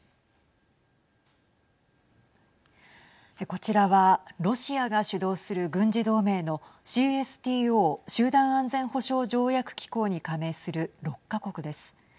こちらはロシアが主導する軍事同盟のＣＳＴＯ集団安全保障条約機構に加盟する６か国です。